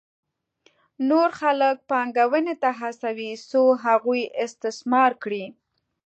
نور خلک پانګونې ته هڅوي څو هغوی استثمار کړي